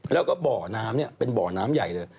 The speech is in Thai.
แล้วก็บ่อน้ำเนี่ยเป็นบ่อน้ำใหญ่เลย